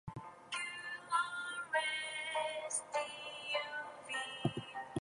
In the episode Guess Who's Coming to Criticize Dinner?